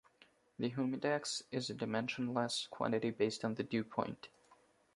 The humidex is a dimensionless quantity based on the dew point.